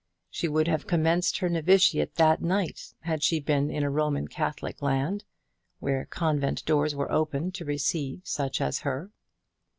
She would have commenced her novitiate that night had she been in a Roman Catholic land, where convent doors were open to receive such as her.